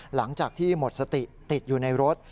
หลังจากที่หมดสติติดอยู่ในรถ